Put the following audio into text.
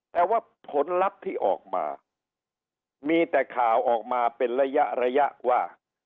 แต่ว่าผลลัพธ์ที่ออกมามีแต่ข่าวออกมาเป็นระยะระยะว่า